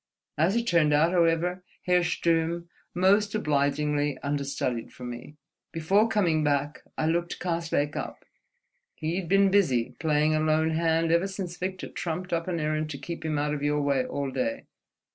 As it turned out, however, Herr Sturm most obligingly understudied for me.... Before coming back, I looked Karslake up. He'd been busy, playing a lone hand, ever since Victor trumped up an errand to keep him out of your way all day.